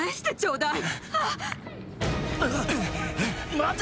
待て！